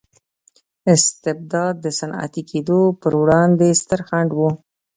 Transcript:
استبداد د صنعتي کېدو پروړاندې ستر خنډ و.